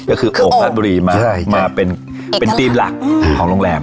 ก็คือโอ่งราศบุรีมาใช่มาเป็นเป็นธีมหลักของโรงแรม